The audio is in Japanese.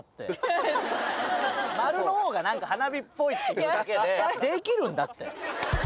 丸の方が何か花火っぽいっていうだけでできるんだって。